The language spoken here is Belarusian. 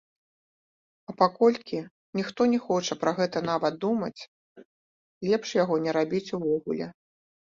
А паколькі ніхто не хоча пра гэта нават думаць, лепш яго не рабіць увогуле.